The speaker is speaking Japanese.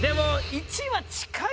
１は近い？